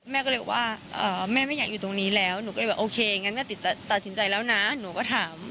แม่ก็เลยบอกว่าแม่ไม่อยากอยู่ตรงนี้แล้วหนูก็เลยแบบโอเคงั้นแม่ตัดสินใจแล้วนะหนูก็ถาม